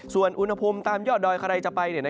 ส่วนอุณหภูมิตามยอดดอยใครจะไป